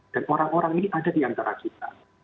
orang orang ini ada di antara kita